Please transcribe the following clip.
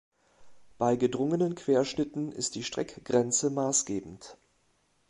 Bei gedrungenen Querschnitten ist die Streckgrenze maßgebend.